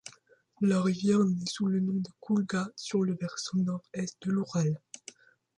La rivière naît sous le nom de Khoulga sur le versant nord-est de l'Oural.